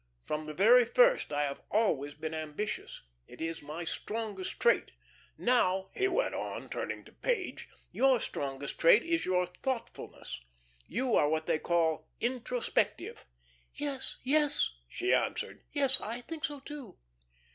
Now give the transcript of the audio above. From the very first I have always been ambitious. It is my strongest trait. Now," he went on, turning to Page, "your strongest trait is your thoughtfulness. You are what they call introspective." "Yes, yes," she answered. "Yes, I think so, too."